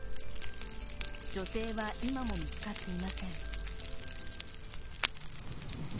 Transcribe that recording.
女性は今も見つかっていません。